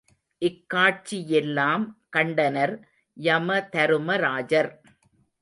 இக்காட்சி யெல்லாம் கண்டனர் யமதருமராஜர்.